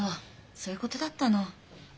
そういうことだったの。